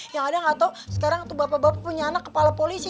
yang ada nggak tahu sekarang tuh bapak bapak punya anak kepala polisi